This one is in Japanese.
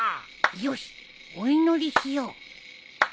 よしお祈りしよう。